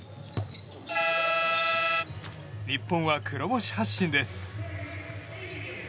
日本は黒星発進です。